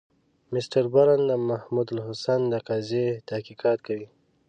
مسټر برن د محمودالحسن د قضیې تحقیقات کوي.